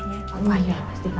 iya pasti kangen mama ya